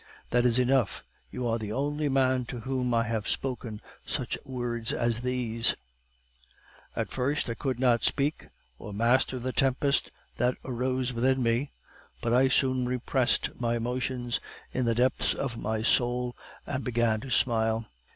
That is enough. You are the only man to whom I have spoken such words as these last.' "At first I could not speak, or master the tempest that arose within me; but I soon repressed my emotions in the depths of my soul, and began to smile.